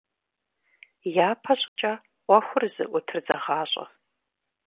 Япэщӏыкӏэ ӏуэхур зыӀутыр зэгъащӏэ.